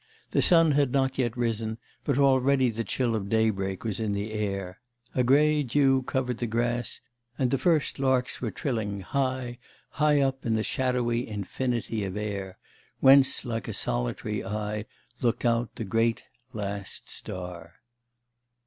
The sun had not yet risen, but already the chill of daybreak was in the air, a grey dew covered the grass, and the first larks were trilling high, high up in the shadowy infinity of air, whence like a solitary eye looked out the great, last star.